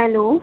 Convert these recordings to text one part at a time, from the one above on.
Hello!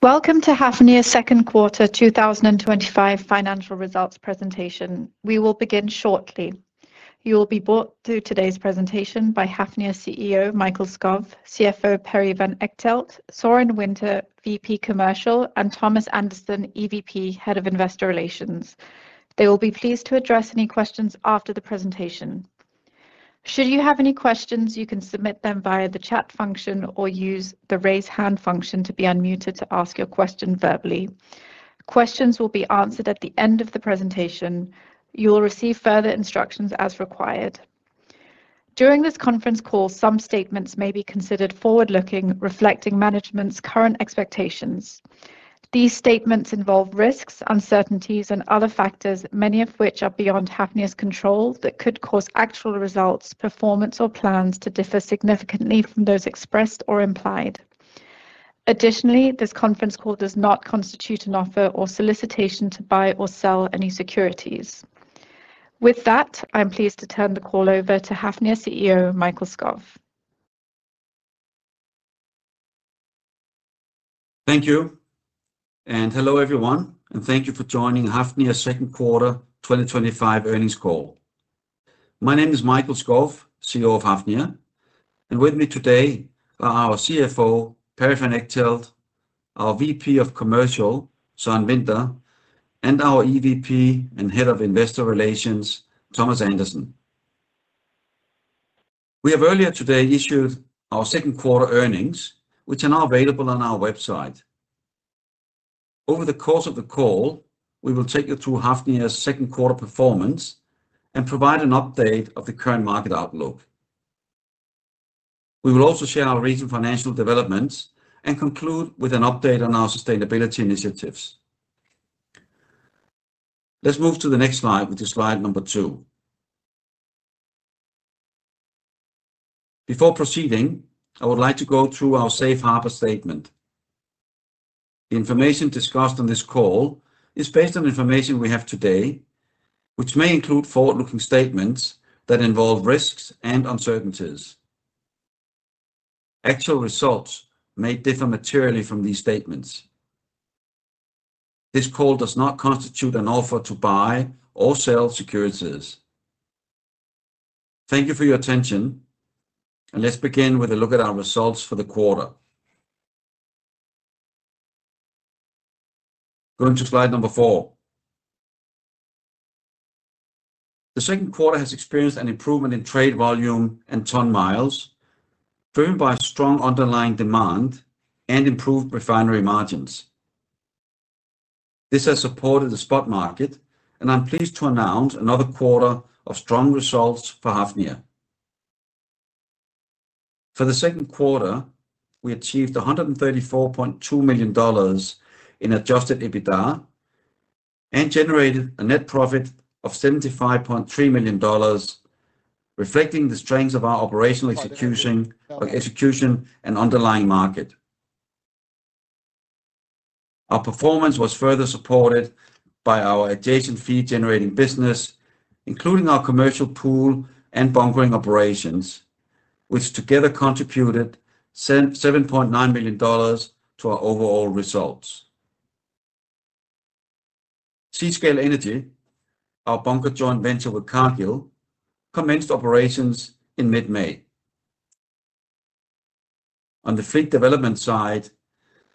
Welcome to Hafnia's Second Quarter 2025 Financial Results Presentation. We will begin shortly. You will be brought to today's presentation by Hafnia's CEO, Mikael Skov, CFO Perry Van Echtelt, Søren Winther, VP Commercial, and Thomas Andersen, EVP, Head of Investor Relations. They will be pleased to address any questions after the presentation. Should you have any questions, you can submit them via the chat function or use the raise hand function to be unmuted to ask your question verbally. Questions will be answered at the end of the presentation. You will receive further instructions as required. During this conference call, some statements may be considered forward-looking, reflecting management's current expectations. These statements involve risks, uncertainties, and other factors, many of which are beyond Hafnia's control, that could cause actual results, performance, or plans to differ significantly from those expressed or implied. Additionally, this conference call does not constitute an offer or solicitation to buy or sell any securities. With that, I am pleased to turn the call over to Hafnia's CEO, Mikael Skov. Thank you. Hello everyone, and thank you for joining Hafnia's Second Quarter 2025 Earnings Call. My name is Mikael Skov, CEO of Hafnia, and with me today are our CFO, Perry Van Echtelt, our VP Commercial, Søren Winther, and our EVP and Head of Investor Relations, Thomas Andersen. We have earlier today issued our second quarter earnings, which are now available on our website. Over the course of the call, we will take you through Hafnia's second quarter performance and provide an update of the current market outlook. We will also share our recent financial developments and conclude with an update on our sustainability initiatives. Let's move to the next slide, which is slide number two. Before proceeding, I would like to go through our safe harbor statement. The information discussed on this call is based on information we have today, which may include forward-looking statements that involve risks and uncertainties. Actual results may differ materially from these statements. This call does not constitute an offer to buy or sell securities. Thank you for your attention, and let's begin with a look at our results for the quarter. Going to slide number four. The second quarter has experienced an improvement in trade volume and ton miles, driven by strong underlying demand and improved refinery margins. This has supported the spot market, and I'm pleased to announce another quarter of strong results for Hafnia. For the second quarter, we achieved $134.2 million in adjusted EBITDA and generated a net profit of $75.3 million, reflecting the strength of our operational execution and underlying market. Our performance was further supported by our adjacent fee-generating business, including our commercial pool and bunkering operations, which together contributed $7.9 million to our overall results. Seascale Energy, our bunkering joint venture with Cargill, commenced operations in mid-May. On the fleet development side,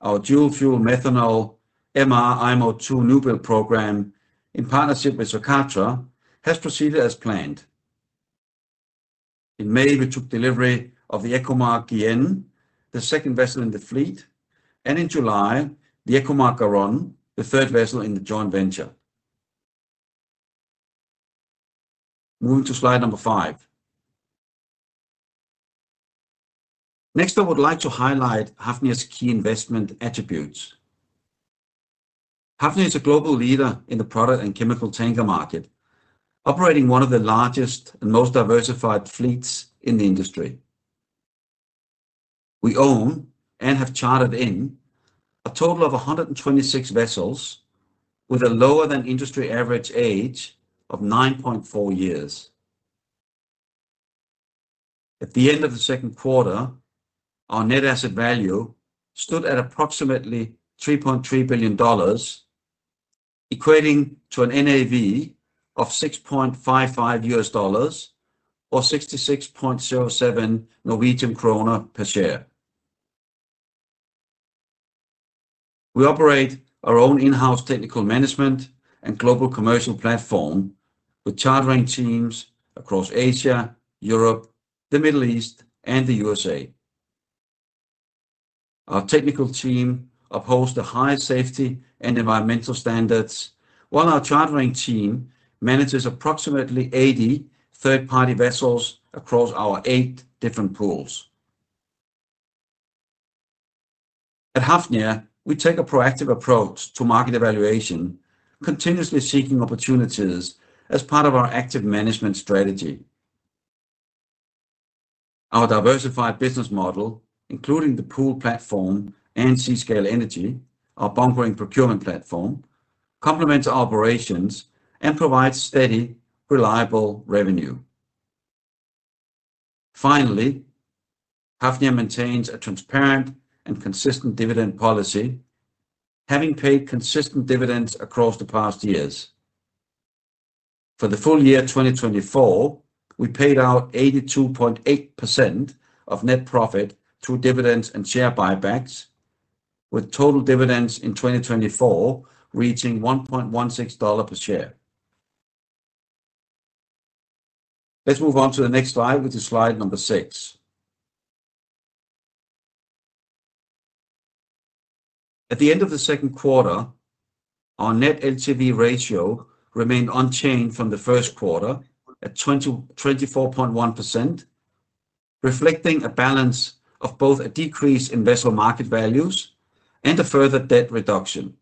our dual-fuel methanol MR IMO2 newbuild program in partnership with Socatra has proceeded as planned. In May, we took delivery of the Ecomarc Guillen, the second vessel in the fleet, and in July, the Ecomarc Garon, the third vessel in the joint venture. Moving to slide number five. Next, I would like to highlight Hafnia's key investment attributes. Hafnia is a global leader in the product and chemical tanker market, operating one of the largest and most diversified fleets in the industry. We own and have chartered in a total of 126 vessels with a lower than industry average age of 9.4 years. At the end of the second quarter, our net asset value stood at approximately $3.3 billion, equating to an NAV of $6.55 or NOK 66.07 per share. We operate our own in-house technical management and global commercial platform with chartering teams across Asia, Europe, the Middle East, and the U.S.A. Our technical team upholds the highest safety and environmental standards, while our chartering team manages approximately 80 third-party vessels across our eight different pools. At Hafnia, we take a proactive approach to market evaluation, continuously seeking opportunities as part of our active management strategy. Our diversified business model, including the pool platform and Seascale Energy, our bunkering procurement platform, complements our operations and provides steady, reliable revenue. Finally, Hafnia maintains a transparent and consistent dividend policy, having paid consistent dividends across the past years. For the full year 2024, we paid out 82.8% of net profit through dividends and share buybacks, with total dividends in 2024 reaching $1.16 per share. Let's move on to the next slide, which is slide number six. At the end of the second quarter, our net LTV ratio remained unchanged from the First Quarter at 24.1%, reflecting a balance of both a decrease in vessel market values and a further debt reduction.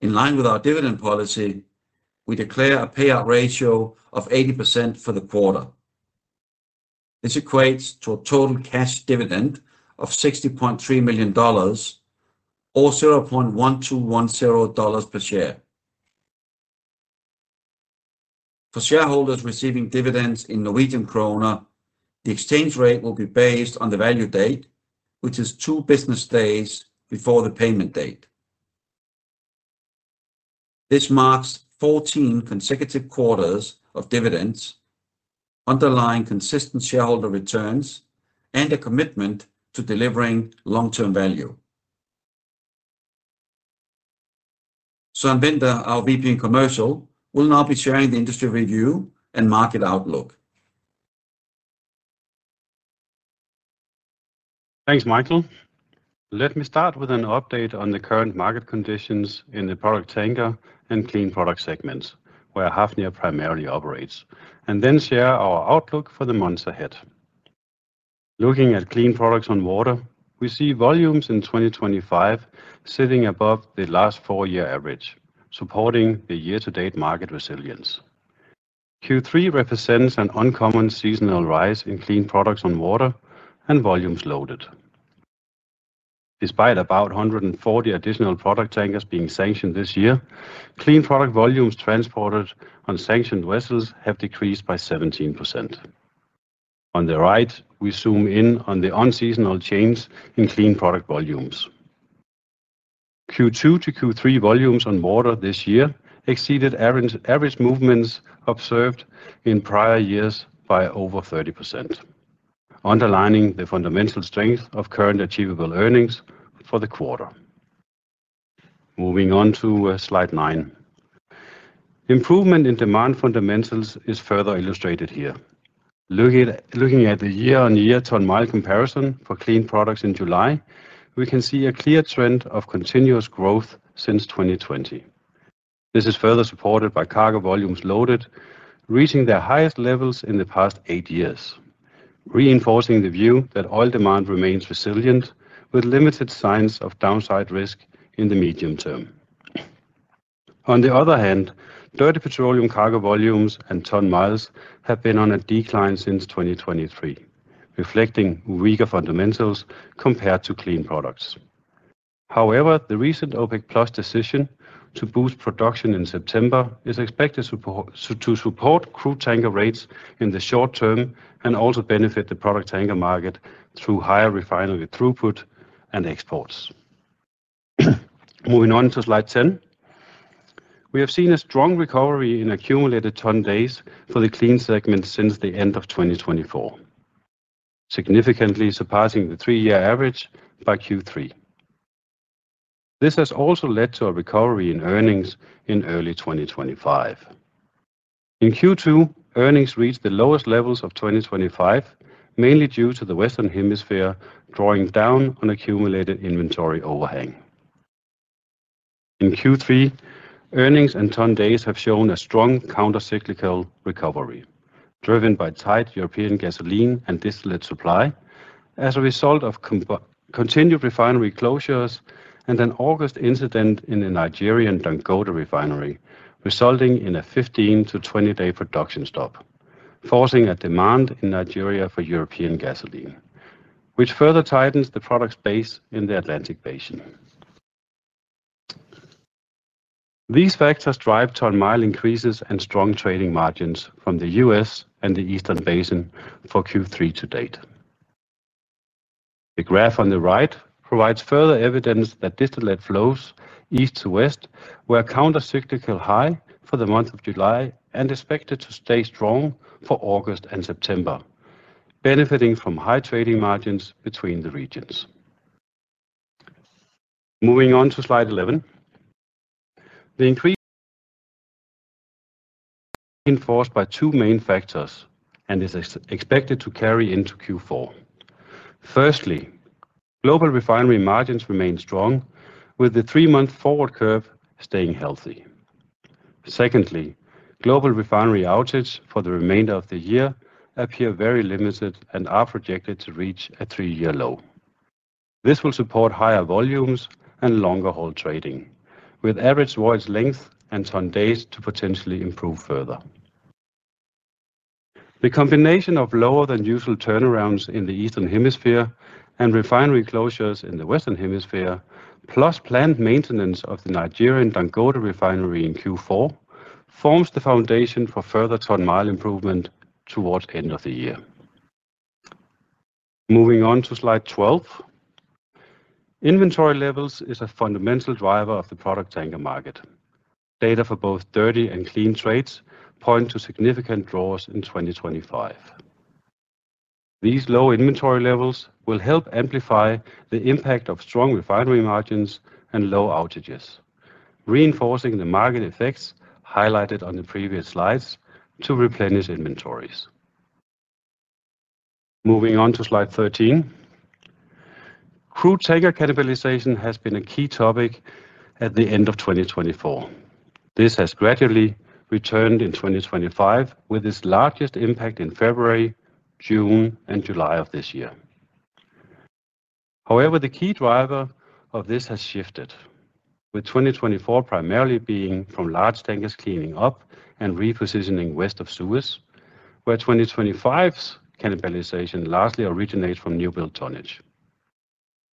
In line with our dividend policy, we declare a payout ratio of 80% for the quarter. This equates to a total cash dividend of $60.3 million or $0.1210 per share. For shareholders receiving dividends in Norwegian kroner, the exchange rate will be based on the value date, which is two business days before the payment date. This marks 14 consecutive quarters of dividends, underlying consistent shareholder returns and a commitment to delivering long-term value. Søren Winther, our VP Commercial, will now be sharing the industry review and market outlook. Thanks, Mikael. Let me start with an update on the current market conditions in the product tanker and clean product segments where Hafnia primarily operates, and then share our outlook for the months ahead. Looking at clean products on water, we see volumes in 2025 sitting above the last four-year average, supporting the year-to-date market resilience. Q3 represents an uncommon seasonal rise in clean products on water and volumes loaded. Despite about 140 additional product tankers being sanctioned this year, clean product volumes transported on sanctioned vessels have decreased by 17%. On the right, we zoom in on the unseasonal change in clean product volumes. Q2-Q3 volumes on water this year exceeded average movements observed in prior years by over 30%, underlining the fundamental strength of current achievable earnings for the quarter. Moving on to slide nine. Improvement in demand fundamentals is further illustrated here. Looking at the year-on-year ton mile comparison for clean products in July, we can see a clear trend of continuous growth since 2020. This is further supported by cargo volumes loaded, reaching their highest levels in the past eight years, reinforcing the view that oil demand remains resilient with limited signs of downside risk in the medium term. On the other hand, dirty petroleum cargo volumes and ton miles have been on a decline since 2023, reflecting weaker fundamentals compared to clean products. However, the recent OPEC+ decision to boost production in September is expected to support crude tanker rates in the short term and also benefit the product tanker market through higher refinery throughput and exports. Moving on to slide 10, we have seen a strong recovery in accumulated ton days for the clean segment since the end of 2024, significantly surpassing the three-year average by Q3. This has also led to a recovery in earnings in early 2025. In Q2, earnings reached the lowest levels of 2025, mainly due to the Western Hemisphere drawing down on accumulated inventory overhang. In Q3, earnings and ton days have shown a strong countercyclical recovery, driven by tight European gasoline and distillate supply as a result of continued refinery closures and an August incident in the Nigerian Dangote refinery, resulting in a 15 to 20-day production stop, forcing a demand in Nigeria for European gasoline, which further tightens the product space in the Atlantic Basin. These factors drive ton mile increases and strong trading margins from the U.S. and the Eastern Basin for Q3 to date. The graph on the right provides further evidence that distillate flows east to west were countercyclical high for the month of July and expected to stay strong for August and September, benefiting from high trading margins between the regions. Moving on to slide 11, the increase is enforced by two main factors and is expected to carry into Q4. Firstly, global refinery margins remain strong, with the three-month forward curve staying healthy. Secondly, global refinery outages for the remainder of the year appear very limited and are projected to reach a three-year low. This will support higher volumes and longer hold trading, with average voyage length and ton days to potentially improve further. The combination of lower than usual turnarounds in the Eastern Hemisphere and refinery closures in the Western Hemisphere, plus planned maintenance of the Nigerian Dangote refinery in Q4, forms the foundation for further ton mile improvement towards the end of the year. Moving on to slide 12, inventory levels are a fundamental driver of the product tanker market. Data for both dirty and clean trades point to significant draws in 2025. These low inventory levels will help amplify the impact of strong refinery margins and low outages, reinforcing the market effects highlighted on the previous slides to replenish inventories. Moving on to slide 13, crude tanker cannibalization has been a key topic at the end of 2024. This has gradually returned in 2025, with its largest impact in February, June, and July of this year. However, the key driver of this has shifted, with 2024 primarily being from large tankers cleaning up and repositioning west of Suez, where 2025's cannibalization largely originates from new build tonnage.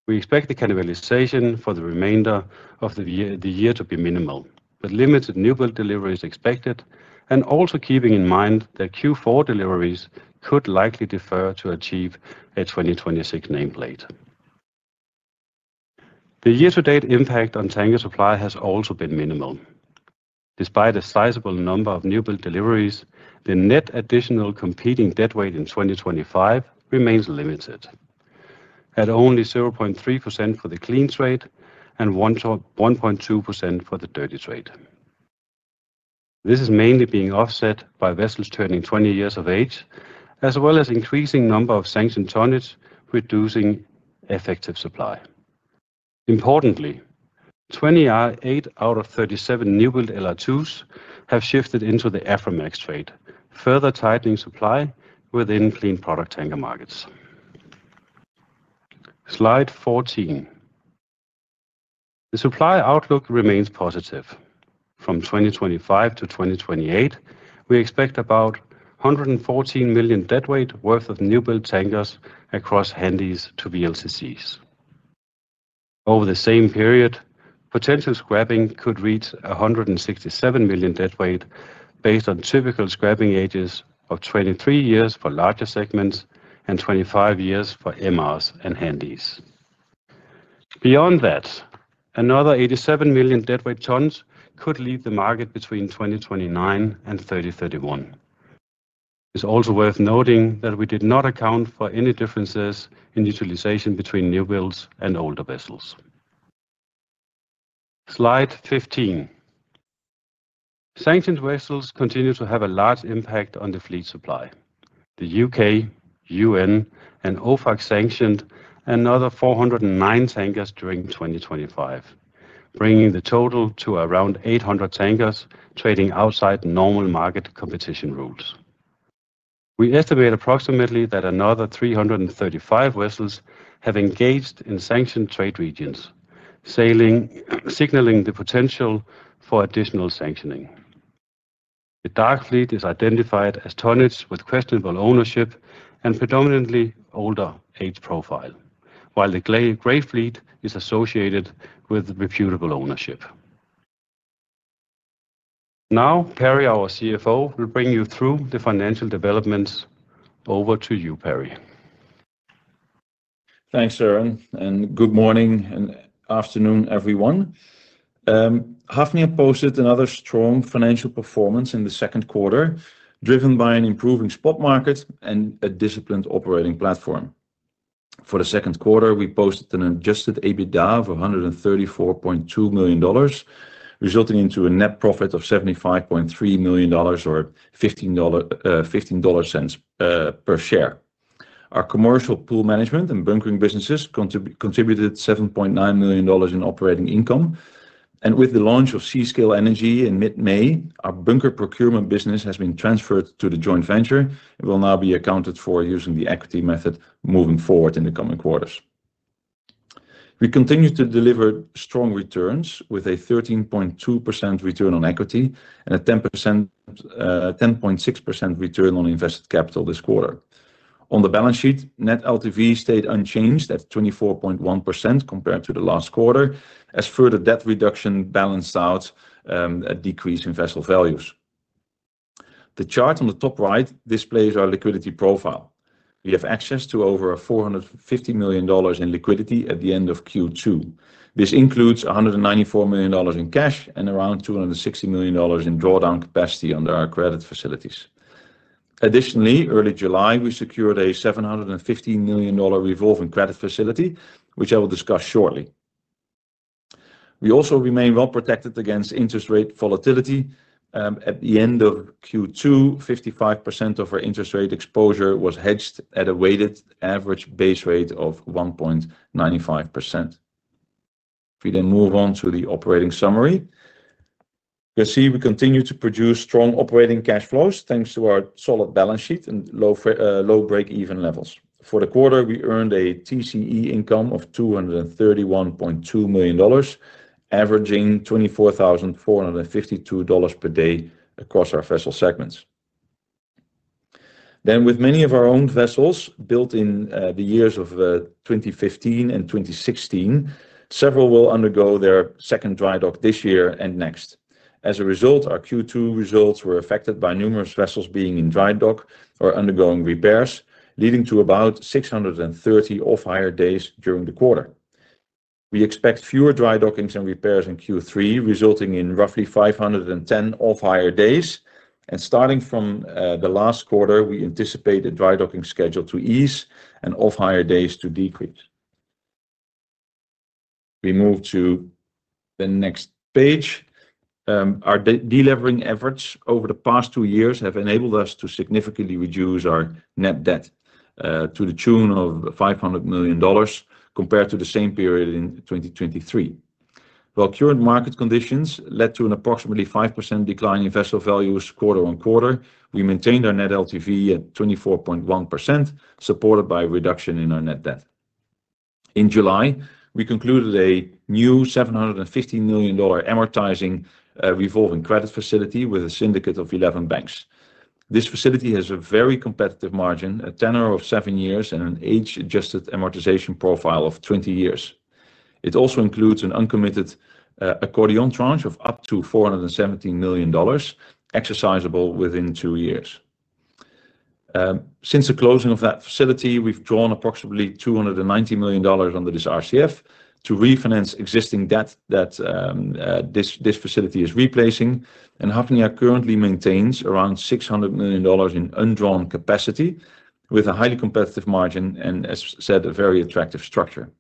We expect the cannibalization for the remainder of the year to be minimal, but limited new build deliveries expected, and also keeping in mind that Q4 deliveries could likely defer to achieve a 2026 nameplate. The year-to-date impact on tanker supply has also been minimal. Despite a sizable number of new build deliveries, the net additional competing deadweight in 2025 remains limited, at only 0.3% for the clean trade and 1.2% for the dirty trade. This is mainly being offset by vessels turning 20 years of age, as well as an increasing number of sanctioned tonnage, reducing effective supply. Importantly, 28 out of 37 newbuild LR2s have shifted into the Aframax trade, further tightening supply within clean product tanker markets. Slide 14, the supply outlook remains positive. From 2025-2028, we expect about 114 million deadweight worth of newbuild tankers across Handys to VLCCs. Over the same period, potential scrapping could reach 167 million deadweight based on typical scrapping ages of 23 years for larger segments and 25 years for MRs and Handys. Beyond that, another 87 million deadweight tons could leave the market between 2029 and 2031. It's also worth noting that we did not account for any differences in utilization between newbuilds and older vessels. Slide 15, sanctioned vessels continue to have a large impact on the fleet supply. The U.K., UN, and OFAC sanctioned another 409 tankers during 2025, bringing the total to around 800 tankers trading outside normal market competition routes. We estimate approximately that another 335 vessels have engaged in sanctioned trade regions, signaling the potential for additional sanctioning. The dark fleet is identified as tonnage with questionable ownership and predominantly older age profile, while the gray fleet is associated with reputable ownership. Now, Perry, our CFO, will bring you through the financial developments. Over to you, Perry. Thanks, Søren, and good morning and afternoon, everyone. Hafnia boasted another strong financial performance in the second quarter, driven by an improving spot market and a disciplined operating platform. For the second quarter, we posted an adjusted EBITDA of $134.2 million, resulting in a net profit of $75.3 million or $0.15 per share. Our commercial pool management and bunkering businesses contributed $7.9 million in operating income, and with the launch of Seascale Energy in mid-May, our bunker procurement business has been transferred to the joint venture and will now be accounted for using the equity method moving forward in the coming quarters. We continue to deliver strong returns with a 13.2% return on equity and a 10.6% return on invested capital this quarter. On the balance sheet, net LTV stayed unchanged at 24.1% compared to the last quarter as further debt reduction balanced out a decrease in vessel values. The chart on the top right displays our liquidity profile. We have access to over $450 million in liquidity at the end of Q2. This includes $194 million in cash and around $260 million in drawdown capacity under our credit facilities. Additionally, in early July, we secured a $715 million revolving credit facility, which I will discuss shortly. We also remain well protected against interest rate volatility. At the end of Q2, 55% of our interest rate exposure was hedged at a weighted average base rate of 1.95%. If we then move on to the operating summary, you'll see we continue to produce strong operating cash flows thanks to our solid balance sheet and low breakeven levels. For the quarter, we earned a TCE income of $231.2 million, averaging $24,452 per day across our vessel segments. With many of our own vessels built in the years of 2015 and 2016, several will undergo their second dry dock this year and next. As a result, our Q2 results were affected by numerous vessels being in dry dock or undergoing repairs, leading to about 630 off-hire days during the quarter. We expect fewer dry dockings and repairs in Q3, resulting in roughly 510 off-hire days, and starting from the last quarter, we anticipate a dry docking schedule to ease and off-hire days to decrease. We move to the next page. Our delevering efforts over the past two years have enabled us to significantly reduce our net debt to the tune of $500 million compared to the same period in 2023. While current market conditions led to an approximately 5% decline in vessel values quarter on quarter, we maintained our net LTV at 24.1%, supported by a reduction in our net debt. In July, we concluded a new $750 million amortizing revolving credit facility with a syndicate of 11 banks. This facility has a very competitive margin, a tenure of seven years, and an age-adjusted amortization profile of 20 years. It also includes an uncommitted accordion tranche of up to $417 million, exercisable within two years. Since the closing of that facility, we've drawn approximately $290 million under this RCF to refinance existing debt that this facility is replacing, and Hafnia currently maintains around $600 million in undrawn capacity with a highly competitive margin and, as said, a very attractive structure.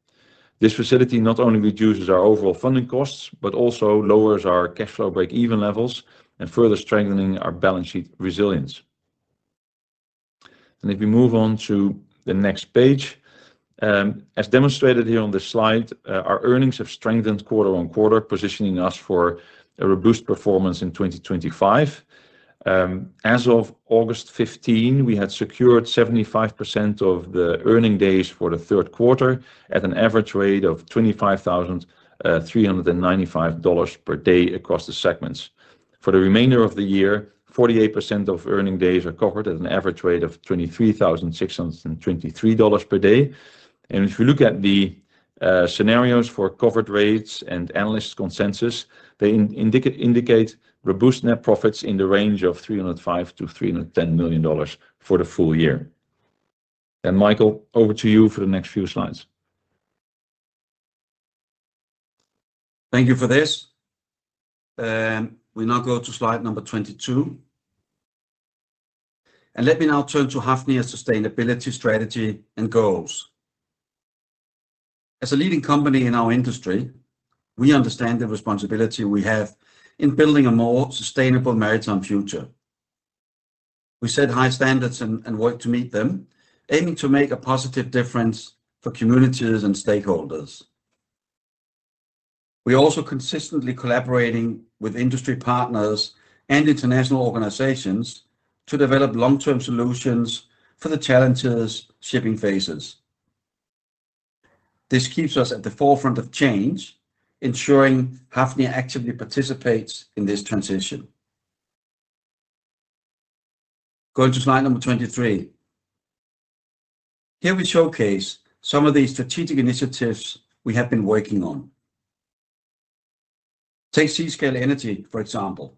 This facility not only reduces our overall funding costs but also lowers our cash flow breakeven levels and further strengthens our balance sheet resilience. If we move on to the next page, as demonstrated here on this slide, our earnings have strengthened quarter on quarter, positioning us for a robust performance in 2025. As of August 15, we had secured 75% of the earning days for the third quarter at an average rate of $25,395 per day across the segments. For the remainder of the year, 48% of earning days are covered at an average rate of $23,623 per day. If you look at the scenarios for covered rates and analysts' consensus, they indicate robust net profits in the range of $305 million-$310 million for the full year. Mikael, over to you for the next few slides. Thank you for this. We now go to slide number 22. Let me now turn to Hafnia's sustainability strategy and goals. As a leading company in our industry, we understand the responsibility we have in building a more sustainable maritime future. We set high standards and work to meet them, aiming to make a positive difference for communities and stakeholders. We are also consistently collaborating with industry partners and international organizations to develop long-term solutions for the challenges shipping faces. This keeps us at the forefront of change, ensuring Hafnia actively participates in this transition. Going to slide number 23, here we showcase some of the strategic initiatives we have been working on. Take Seascale Energy, for example.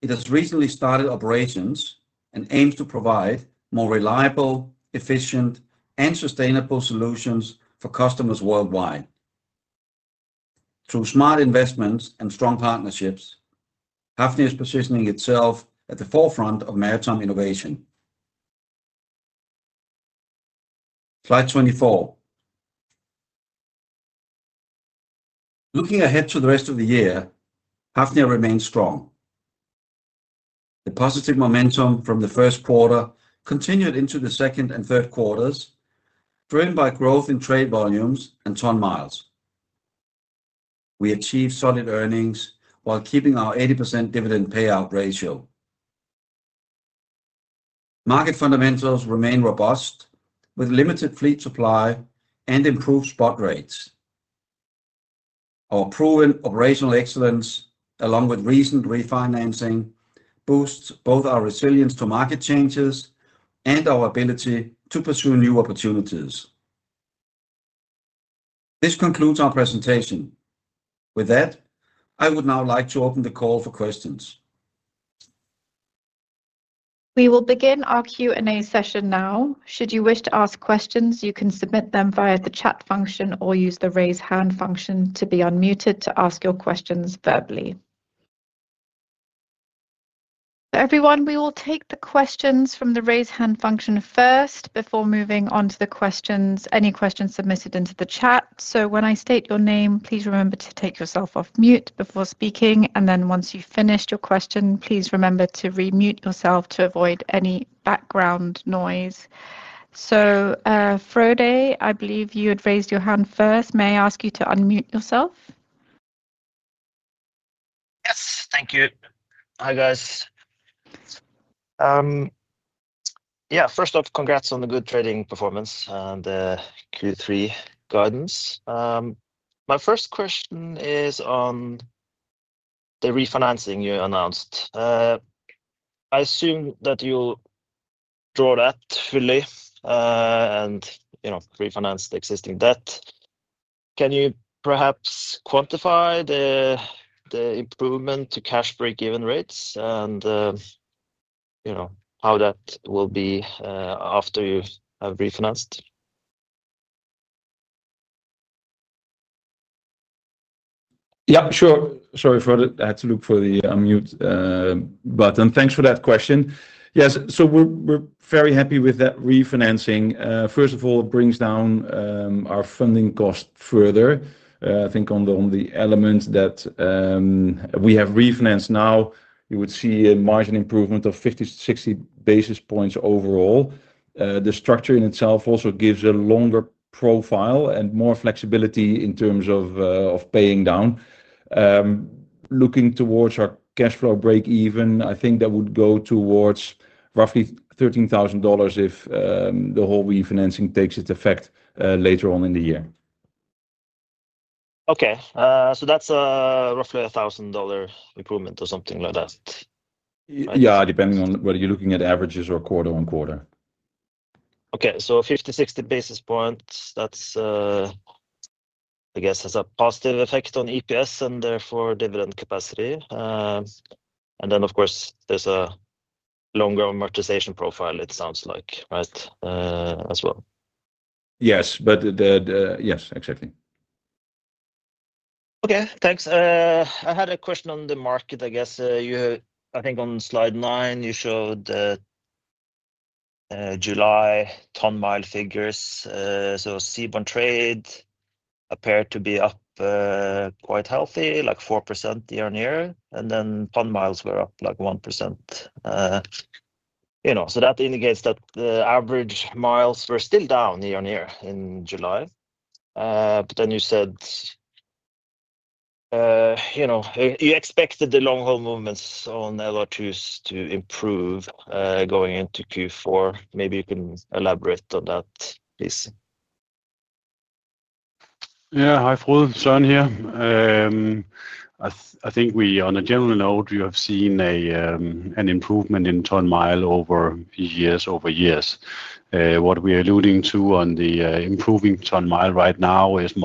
It has recently started operations and aims to provide more reliable, efficient, and sustainable solutions for customers worldwide. Through smart investments and strong partnerships, Hafnia is positioning itself at the forefront of maritime innovation. Slide 24. Looking ahead to the rest of the year, Hafnia remains strong. The positive momentum from the First Quarter continued into the second and third quarters, driven by growth in trade volumes and ton miles. We achieved solid earnings while keeping our 80% dividend payout ratio. Market fundamentals remain robust, with limited fleet supply and improved spot rates. Our proven operational excellence, along with recent refinancing, boosts both our resilience to market changes and our ability to pursue new opportunities. This concludes our presentation. With that, I would now like to open the call for questions. We will begin our Q&A session now. Should you wish to ask questions, you can submit them via the chat function or use the raise hand function to be unmuted to ask your questions verbally. Everyone, we will take the questions from the raise hand function first before moving on to any questions submitted into the chat. When I state your name, please remember to take yourself off mute before speaking, and then once you've finished your question, please remember to re-mute yourself to avoid any background noise. Frode, I believe you had raised your hand first. May I ask you to unmute yourself? Yes, thank you. Hi guys. First off, congrats on the good trading performance and the Q3 guidance. My first question is on the refinancing you announced. I assume that you'll draw that fully and, you know, refinance the existing debt. Can you perhaps quantify the improvement to cash breakeven rates and, you know, how that will be after you have refinanced? Yeah, sure. Sorry, Frode, I had to look for the unmute button. Thanks for that question. Yes, we're very happy with that refinancing. First of all, it brings down our funding cost further. I think on the element that we have refinanced now, you would see a margin improvement of 50 to 60 basis points overall. The structure in itself also gives a longer profile and more flexibility in terms of paying down. Looking towards our cash flow breakeven, I think that would go towards roughly $13,000 if the whole refinancing takes its effect later on in the year. Okay, that's roughly a $1,000 improvement or something like that. Yeah, depending on whether you're looking at averages or quarter on quarter. Okay, so 50-60 basis points, that's, I guess, has a positive effect on EPS and therefore dividend capacity. There is a longer amortization profile, it sounds like, right, as well. Yes, exactly. Okay, thanks. I had a question on the market, I guess. You, I think on slide nine, you showed the July ton mile figures. Seaborne trade appeared to be up quite healthy, like 4% year on year, and then ton miles were up like 1%. You know, that indicates that the average miles were still down year on year in July. You said you expected the long haul movements on LR2s to improve going into Q4. Maybe you can elaborate on that, please. Yeah, hi Frode, Søren here. I think we, on a general note, we have seen an improvement in ton mile over years, over years. What we are alluding to on the improving ton mile right now is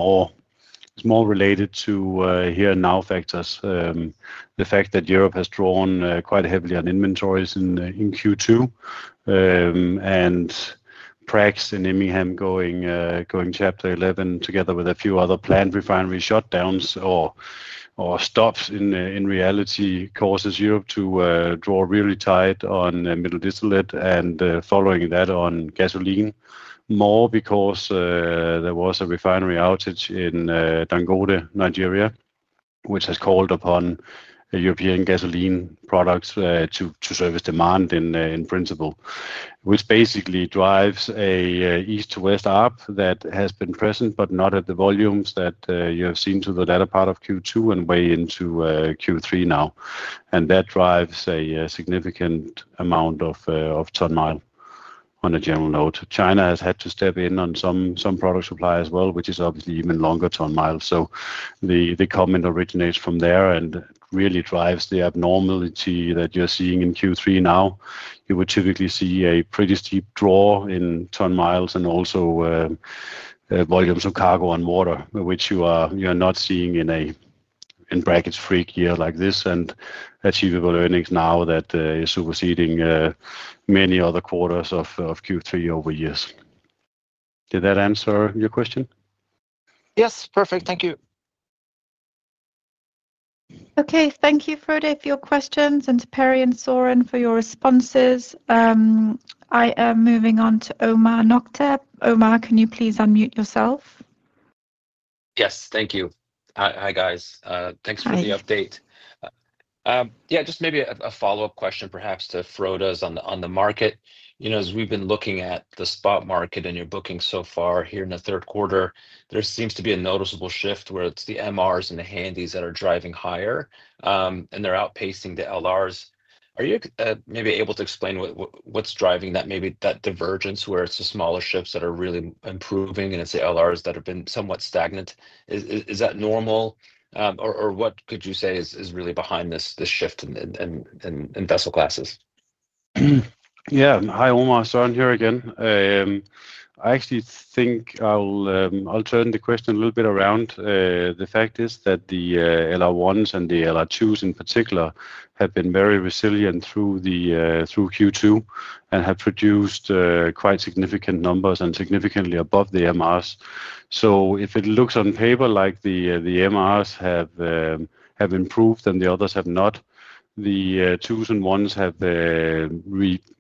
more related to here and now factors. The fact that Europe has drawn quite heavily on inventories in Q2 and Prax in Immingham going Chapter 11 together with a few other planned refinery shutdowns or stops in reality causes Europe to draw really tight on middle distillate and following that on gasoline more because there was a refinery outage in the Nigerian Dangote refinery, which has called upon European gasoline products to service demand in principle, which basically drives an east-to-west arc that has been present but not at the volumes that you have seen to the latter part of Q2 and way into Q3 now. That drives a significant amount of ton mile on a general note. China has had to step in on some product supply as well, which is obviously even longer ton miles. The comment originates from there and really drives the abnormality that you're seeing in Q3 now. You would typically see a pretty steep draw in ton miles and also volumes of cargo on water, which you are not seeing in a freak year like this and achievable earnings now that is superseding many other quarters of Q3 over years. Did that answer your question? Yes, perfect, thank you. Okay, thank you, Frode, for your questions and Perry and Søren for your responses. I am moving on to Omar Nokta. Omar, can you please unmute yourself? Yes, thank you. Hi guys, thanks for the update. Just maybe a follow-up question perhaps to Frode's on the market. You know, as we've been looking at the spot market and your bookings so far here in the third quarter, there seems to be a noticeable shift where it's the MRs and the Handys that are driving higher and they're outpacing the LRs. Are you maybe able to explain what's driving that, maybe that divergence where it's the smaller ships that are really improving and it's the LRs that have been somewhat stagnant? Is that normal or what could you say is really behind this shift in vessel classes? Yeah, hi Omar, Søren here again. I actually think I'll turn the question a little bit around. The fact is that the LR1s and the LR2s in particular have been very resilient through Q2 and have produced quite significant numbers and significantly above the MRs. If it looks on paper like the MRs have improved and the others have not, the 2s and 1s have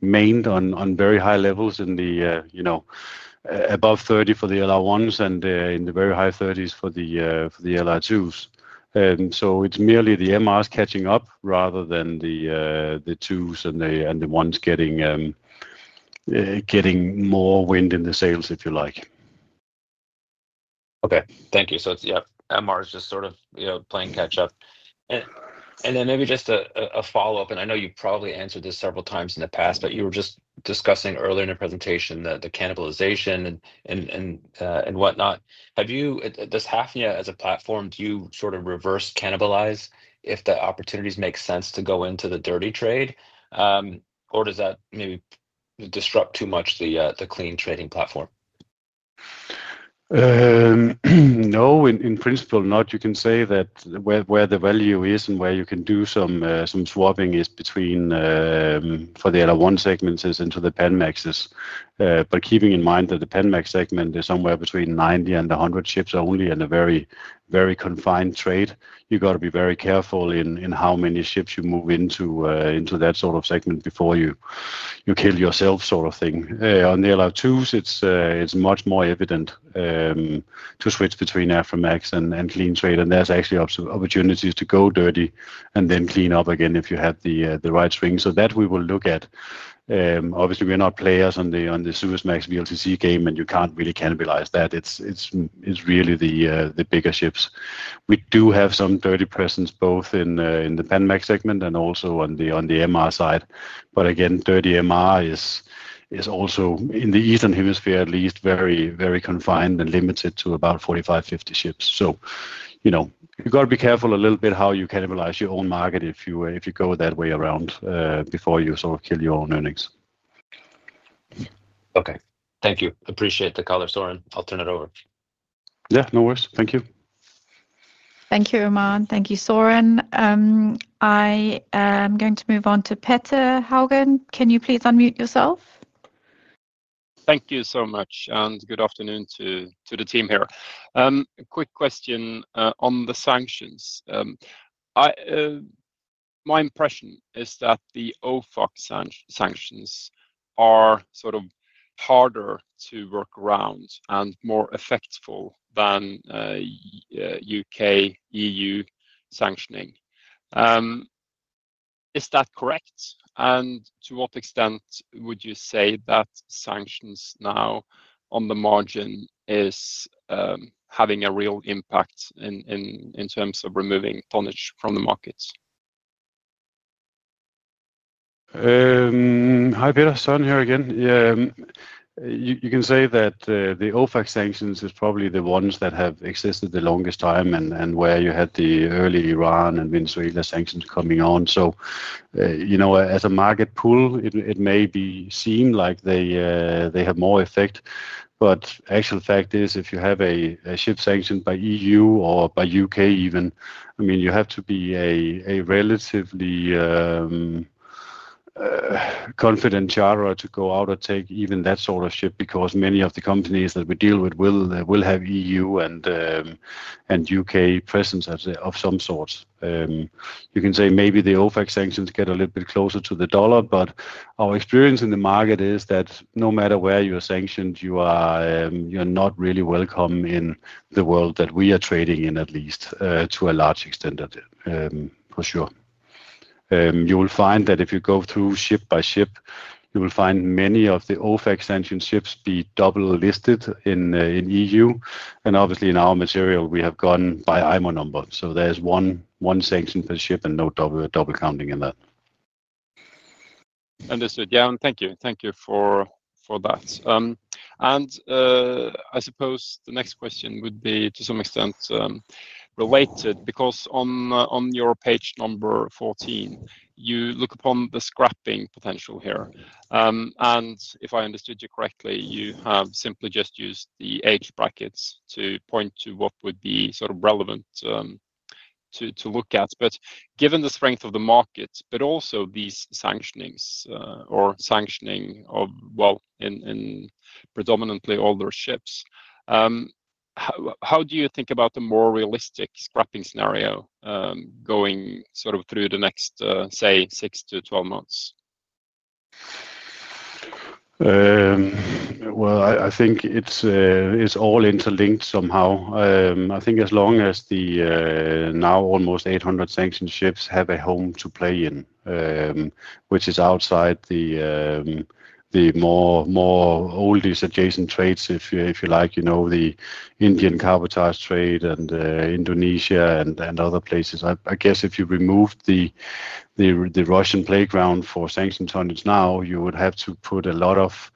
remained on very high levels, you know, above 30 for the LR1s and in the very high 30s for the LR2s. It's merely the MRs catching up rather than the twos and the ones getting more wind in the sails, if you like. Okay, thank you. It's, yeah, MRs just sort of playing catch up. Maybe just a follow-up, and I know you probably answered this several times in the past, but you were just discussing earlier in the presentation the cannibalization and whatnot. Does Hafnia, as a platform, do you sort of reverse cannibalize if the opportunities make sense to go into the dirty trade or does that maybe disrupt too much the clean trading platform? No, in principle not. You can say that where the value is and where you can do some swapping is between, for the LR1 segments, is into the Panamaxes. Keeping in mind that the Panamax segment is somewhere between 90 and 100 ships only in a very, very confined trade, you've got to be very careful in how many ships you move into that sort of segment before you kill yourself, sort of thing. On the LR2s, it's much more evident to switch between Aframax and clean trade, and there's actually opportunities to go dirty and then clean up again if you have the right swing. That we will look at. Obviously, we're not players on the Suezmax VLCC game, and you can't really cannibalize that. It's really the bigger ships. We do have some dirty presence both in the Panamax segment and also on the MR side. Again, dirty MR is also in the Eastern Hemisphere, at least, very, very confined and limited to about 45, 50 ships. You've got to be careful a little bit how you cannibalize your own market if you go that way around before you sort of kill your own earnings. Okay, thank you. Appreciate the color, Søren. I'll turn it over. Yeah, no worries. Thank you. Thank you, Omar. Thank you, Søren. I am going to move on to Petter Haugen. Can you please unmute yourself? Thank you so much, and good afternoon to the team here. Quick question on the sanctions. My impression is that the OFAC sanctions are sort of harder to work around and more effectful than UK, EU sanctioning. Is that correct? To what extent would you say that sanctions now on the margin are having a real impact in terms of removing tonnage from the markets? Hi Petter, Søren here again. You can say that the OFAC sanctions are probably the ones that have existed the longest time and where you had the early Iran and Venezuela sanctions coming on. As a market pool, it may be seen like they have more effect, but the actual fact is if you have a ship sanctioned by EU or by UK even, you have to be a relatively confident charter to go out and take even that sort of ship because many of the companies that we deal with will have EU and UK presence of some sort. You can say maybe the OFAC sanctions get a little bit closer to the dollar, but our experience in the market is that no matter where you're sanctioned, you're not really welcome in the world that we are trading in at least to a large extent for sure. You will find that if you go through ship by ship, you will find many of the OFAC sanctioned ships be double listed in EU, and obviously in our material we have gone by IMO number. There is one sanction per ship and no double counting in that. Understood. Thank you for that. I suppose the next question would be to some extent related because on your page number 14, you look upon the scrapping potential here. If I understood you correctly, you have simply just used the age brackets to point to what would be sort of relevant to look at. Given the strength of the market, but also these sanctionings or sanctioning of, in predominantly older ships, how do you think about the more realistic scrapping scenario going through the next, say, six to 12 months? I think it's all interlinked somehow. I think as long as the now almost 800 sanctioned ships have a home to play in, which is outside the more oldest adjacent trades, if you like, you know, the Indian cargo ties trade and Indonesia and other places. I guess if you removed the Russian playground for sanctioned tonnage now, you would have to put a lot of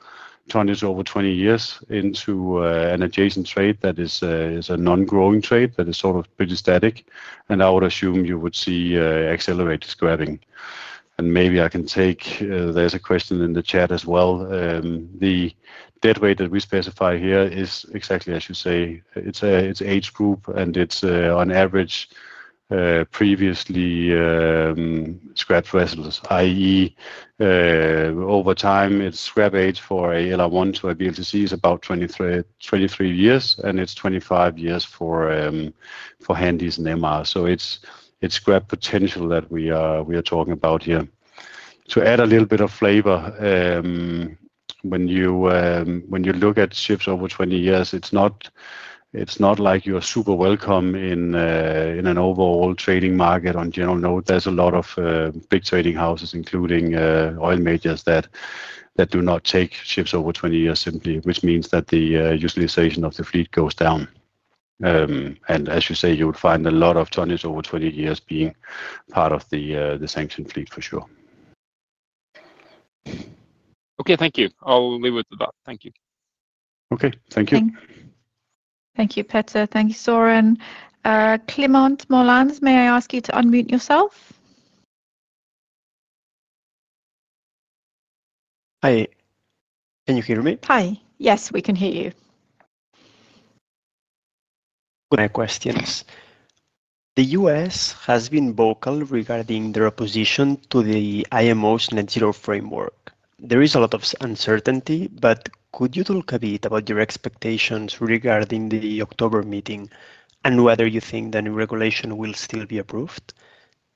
tonnage over 20 years into an adjacent trade that is a non-growing trade that is sort of pretty static. I would assume you would see accelerated scrapping. Maybe I can take, there's a question in the chat as well. The debt rate that we specify here is exactly as you say. It's an age group and it's on average previously scrapped vessels, i.e., over time its scrap age for a LR1 to a VLCC is about 23 years, and it's 25 years for Handys and MR. So it's scrap potential that we are talking about here. To add a little bit of flavor, when you look at ships over 20 years, it's not like you're super welcome in an overall trading market on a general note. There's a lot of big trading houses, including oil majors, that do not take ships over 20 years simply, which means that the utilization of the fleet goes down. As you say, you would find a lot of tonnage over 20 years being part of the sanctioned fleet for sure. Okay, thank you. I'll leave it at that. Thank you. Okay, thank you. Thank you, Petter. Thank you, Søren. Clément Mahloa, may I ask you to unmute yourself? Hi, can you hear me? Hi, yes, we can hear you. Good. My questions. The U.S. has been vocal regarding their opposition to the IMO's net zero framework. There is a lot of uncertainty, but could you talk a bit about your expectations regarding the October meeting and whether you think the new regulation will still be approved?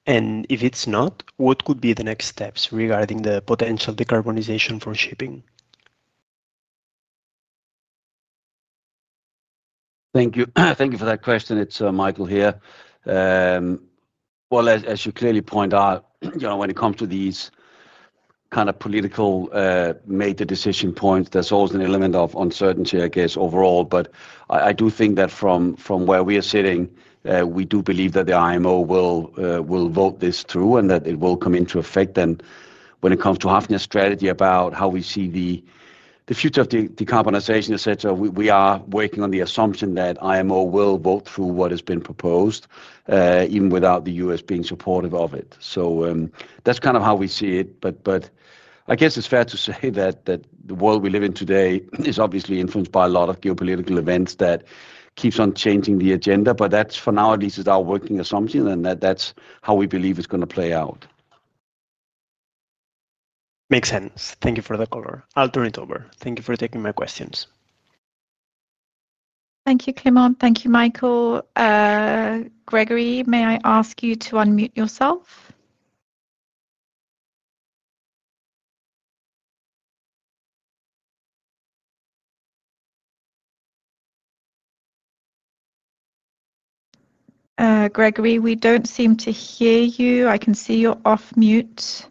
If it's not, what could be the next steps regarding the potential decarbonization for shipping? Thank you. Thank you for that question. It's Mikael here. As you clearly point out, you know, when it comes to these kind of political major decision points, there's always an element of uncertainty, I guess, overall. I do think that from where we are sitting, we do believe that the IMO will vote this through and that it will come into effect. When it comes to Hafnia's strategy about how we see the future of decarbonization, etc., we are working on the assumption that IMO will vote through what has been proposed, even without the U.S. being supportive of it. That's kind of how we see it. I guess it's fair to say that the world we live in today is obviously influenced by a lot of geopolitical events that keep on changing the agenda. That's, for now, at least our working assumption, and that's how we believe it's going to play out. Makes sense. Thank you for the cover. I'll turn it over. Thank you for taking my questions. Thank you, Clément. Thank you, Mikael. Gregory, may I ask you to unmute yourself? Gregory, we don't seem to hear you. I can see you're off mute.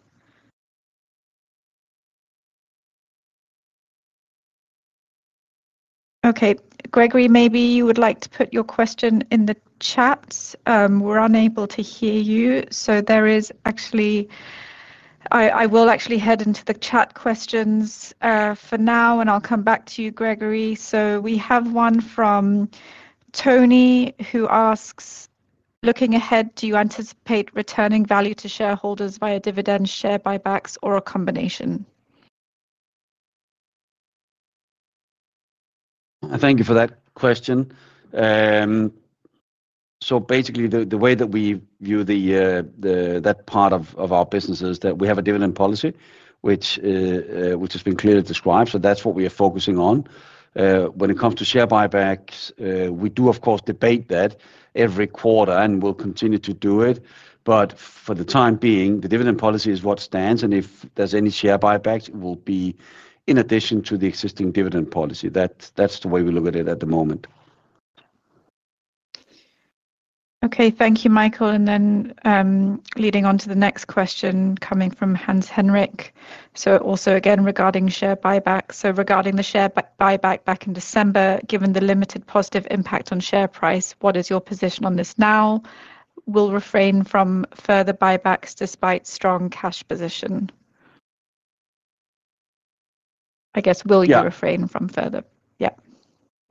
Okay, Gregory, maybe you would like to put your question in the chat. We're unable to hear you. There is actually, I will actually head into the chat questions for now, and I'll come back to you, Gregory. We have one from Tony, who asks, looking ahead, do you anticipate returning value to shareholders via dividends, share buybacks, or a combination? Thank you for that question. Basically, the way that we view that part of our business is that we have a dividend policy, which has been clearly described. That is what we are focusing on. When it comes to share buybacks, we do, of course, debate that every quarter and we'll continue to do it. For the time being, the dividend policy is what stands. If there's any share buybacks, it will be in addition to the existing dividend policy. That is the way we look at it at the moment. Okay, thank you, Mikael. Leading on to the next question coming from Hans Henrik, also again regarding share buybacks. Regarding the share buyback back in December, given the limited positive impact on share price, what is your position on this now? Will you refrain from further buybacks despite strong cash position? I guess will you refrain from further?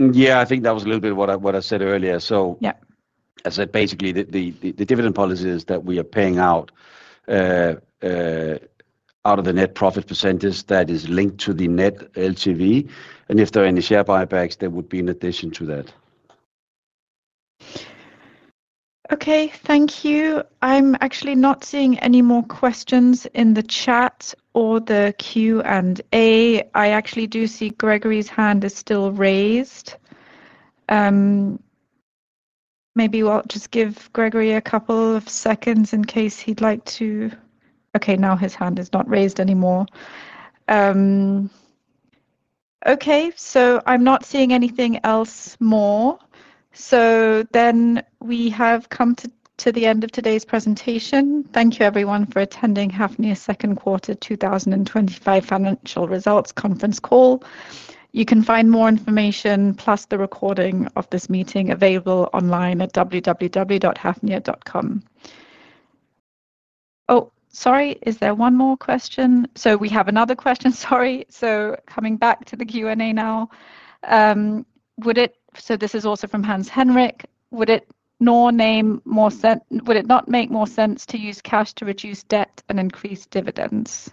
I think that was a little bit what I said earlier. As I said, basically the dividend policy is that we are paying out out of the net profit percentage that is linked to the net LTV. If there are any share buybacks, that would be in addition to that. Okay, thank you. I'm actually not seeing any more questions in the chat or the Q&A. I actually do see Gregory's hand is still raised. Maybe we'll just give Gregory a couple of seconds in case he'd like to... Okay, now his hand is not raised anymore. I'm not seeing anything else more. We have come to the end of today's presentation. Thank you, everyone, for attending Hafnia's second quarter 2025 financial results conference call. You can find more information plus the recording of this meeting available online at www.hafnia.com. Oh, sorry, is there one more question? We have another question, sorry. Coming back to the Q&A now. This is also from Hans Henrik. Would it not make more sense to use cash to reduce debt and increase dividends?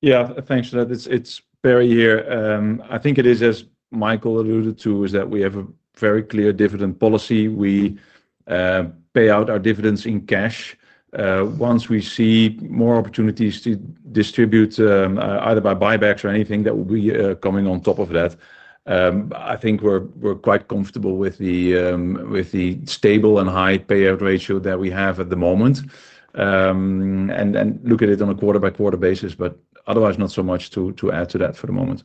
Yeah, thanks for that. It's Perry here. I think it is, as Mikael alluded to, that we have a very clear dividend policy. We pay out our dividends in cash. Once we see more opportunities to distribute either by buybacks or anything, that will be coming on top of that. I think we're quite comfortable with the stable and high payout ratio that we have at the moment. We look at it on a quarter by quarter basis, otherwise not so much to add to that for the moment.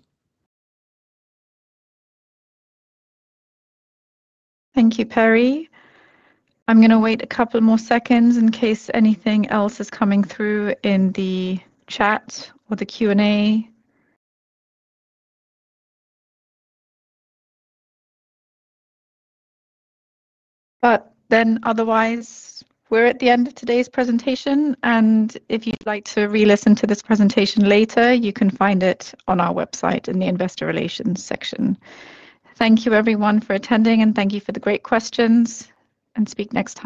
Thank you, Perry. I'm going to wait a couple more seconds in case anything else is coming through in the chat or the Q&A. Otherwise, we're at the end of today's presentation. If you'd like to re-listen to this presentation later, you can find it on our website in the investor relations section. Thank you, everyone, for attending, and thank you for the great questions. Speak next time.